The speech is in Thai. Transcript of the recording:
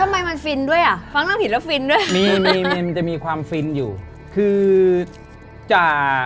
ทำไมมันฟินด้วยอ่ะฟังเรื่องผิดแล้วฟินด้วยมีมีมันจะมีความฟินอยู่คือจะ